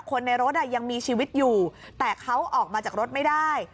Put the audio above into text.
คนในรถยังมีชีวิตอยู่แต่เขาออกมาจากรถไม่ได้